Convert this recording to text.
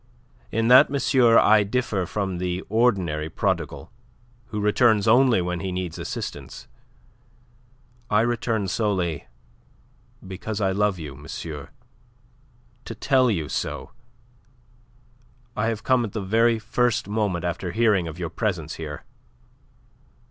In that, monsieur, I differ from the ordinary prodigal, who returns only when he needs assistance. I return solely because I love you, monsieur to tell you so. I have come at the very first moment after hearing of your presence here."